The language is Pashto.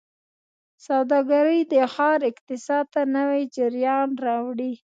سوداګرۍ د ښار اقتصاد ته نوي جریان راوړي.